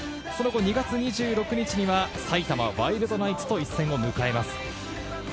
その後、２月２６日には埼玉ワイルドナイツと一戦を迎えます。